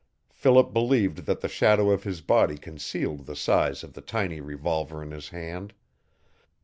Philip believed that the shadow of his body concealed the size of the tiny revolver in his hand.